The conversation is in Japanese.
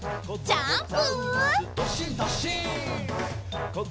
ジャンプ！